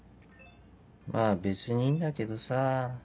まぁ別にいいんだけどさぁ。